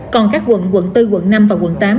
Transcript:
còn các quận quận bốn quận năm và quận tám